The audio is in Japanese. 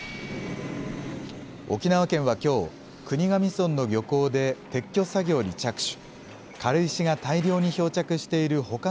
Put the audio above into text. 沖縄県はきょう、国頭村の漁港で撤去作業に着手。